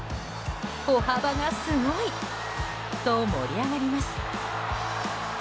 歩幅がすごい！と盛り上がります。